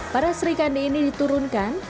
para sri kandi ini diturunkan